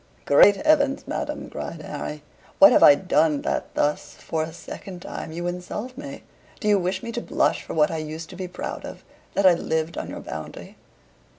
"Great heavens! madam," cried Harry. "What have I done that thus, for a second time, you insult me? Do you wish me to blush for what I used to be proud of, that I lived on your bounty?